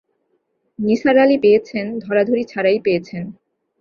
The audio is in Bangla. নিসার আলি পেয়েছেন, ধরাধরি ছাড়াই পেয়েছেন।